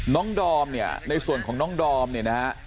ดอมเนี่ยในส่วนของน้องดอมเนี่ยนะฮะ